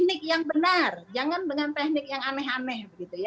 teknik yang benar jangan dengan teknik yang aneh aneh